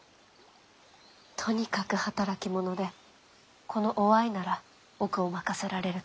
とにかく働き者でこの於愛なら奥を任せられると。